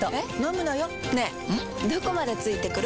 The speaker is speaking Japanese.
どこまで付いてくる？